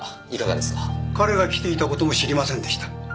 彼が来ていた事も知りませんでした。